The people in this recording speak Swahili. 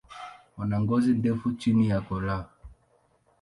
Wana ngozi ndefu chini ya koo lao.